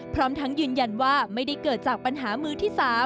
พร้อมทั้งยืนยันว่าไม่ได้เกิดจากปัญหามือที่๓